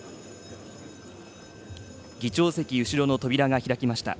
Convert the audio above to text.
議長席後ろの扉が開きました。